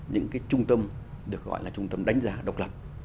những cái trung tâm được gọi là trung tâm đánh giá độc lập